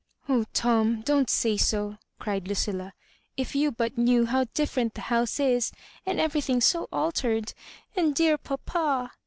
"Oh, Tom, don't say so," cried LuciUa; "if you but knew how different the house is, and everything so altered — and dear papa!"